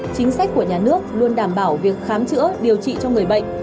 chính sách của nhà nước luôn đảm bảo việc khám chữa điều trị cho người bệnh